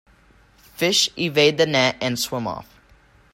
Fish evade the net and swim off.